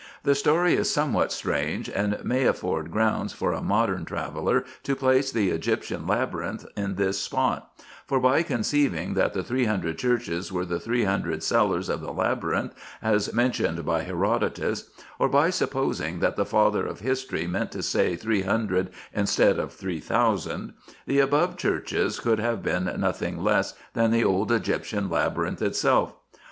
The story is somewhat strange, and may afford grounds for a modern tra veller to place the Egyptian Labyrinth in this spot ; for, by con ceiving that the three hundred churches were the three hundred cellars of the Labyrinth, as mentioned by Herodotus, or by sup posing that the father of history meant to say three hundred instead of three thousand, the above churches could have been nothing less than the old Egyptian Labyrinth itself.